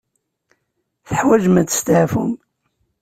Teḥwaǧem ad testeɛfum.